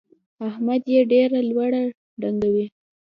احمد يې ډېره لوړه ډنګوي.